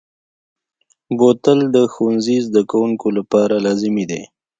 بوتل د ښوونځي زده کوونکو لپاره لازمي دی.